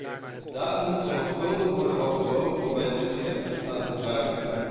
Daarom moet zorgvuldig worden overwogen hoe wij dit spectrum gaan gebruiken.